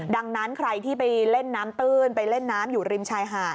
ดังนั้นใครที่ไปเล่นน้ำตื้นไปเล่นน้ำอยู่ริมชายหาด